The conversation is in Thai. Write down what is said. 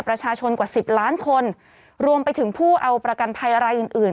ประชาชนกว่าสิบล้านคนรวมไปถึงผู้เอาประกันภัยอะไรอื่นอื่น